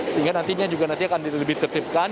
sehingga nantinya juga nanti akan ditertipkan